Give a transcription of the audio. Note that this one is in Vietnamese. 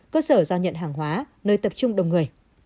cơ sở giao nhận hàng hóa nơi tập trung đông người